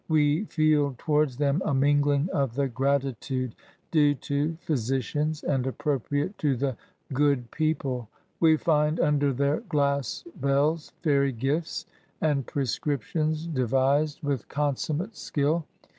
We feel towards them a mingling of the gratitude due to physicians, and appropriate to the Good People. We find under their glass bells fairy gifts, and prescriptions devised with NATURE TO THE INVALID. 59 consummate skill.